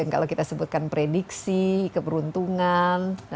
yang kalau kita sebutkan prediksi keberuntungan dan lain lainnya